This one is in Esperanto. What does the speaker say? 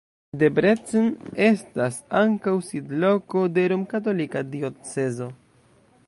Debrecen estas ankaŭ sidloko de romkatolika diocezo.